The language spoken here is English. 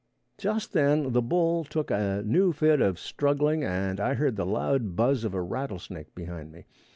_] Just then the bull took a new fit of struggling and I heard the loud buzz of a rattlesnake behind me.